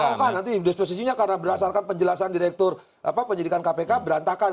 bukan nanti disposisinya karena berdasarkan penjelasan direktur penyidikan kpk berantakan